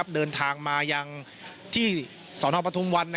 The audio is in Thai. เดินทางที่สนพระธุมวัล